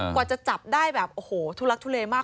กว่าจะจับได้แบบโอ้โหทุลักทุเลมาก